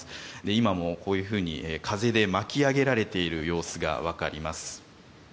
今もこういうふうに風で巻き上げられている様子がわかります。